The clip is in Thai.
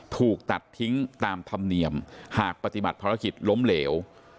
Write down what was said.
ถูกตัดทิ้งตามธรรมเนียมหากปฏิบัติภารกิจล้มเหลว